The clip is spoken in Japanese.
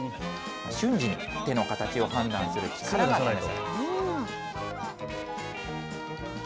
瞬時に手の形を判断する必要があります。